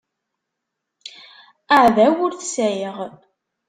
Aεdaw ur t-sεiɣ.